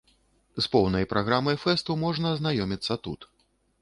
З поўнай праграмай фэсту можна азнаёміцца тут.